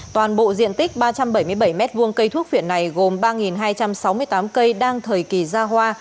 toàn bộ diện tích ba trăm bảy mươi bảy m hai cây thuốc viện này gồm ba hai trăm sáu mươi tám cây đang thời kỳ ra hoa